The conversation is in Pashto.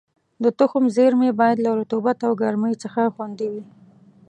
د تخم زېرمې باید له رطوبت او ګرمۍ څخه خوندي وي.